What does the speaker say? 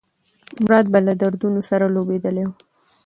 مراد به له دردونو سره لوبېدلی و.